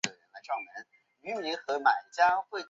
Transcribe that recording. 能引起溶血反应的物质称为溶血素。